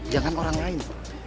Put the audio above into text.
jangan orang lain